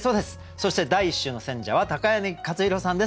そして第１週の選者は柳克弘さんです。